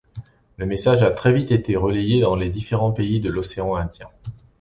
Le message a très vite été relayé dans les différents pays de l'océan Indien.